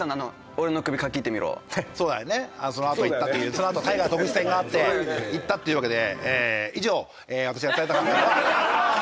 そのあとタイガー戸口戦があって言ったっていうわけで。